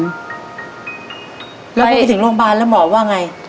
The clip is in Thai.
พอไปถึงโรงบาลแล้วหมอว่าไง